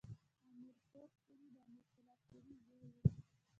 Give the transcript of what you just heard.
امیر کروړ سوري د امیر پولاد سوري زوی ؤ.